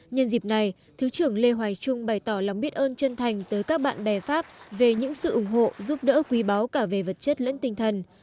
nhân dịp này thứ trưởng lê hoài trung bày tỏ lòng biết ơn chân thành tới các bạn bè pháp về những sự ủng hộ giúp đỡ quý báo cả về vật chất lẫn tinh thần